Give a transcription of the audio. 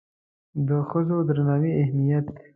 د ښځو د درناوي اهمیت